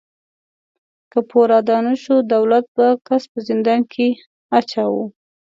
که پور ادا نهشو، دولت به کس په زندان کې اچاوه.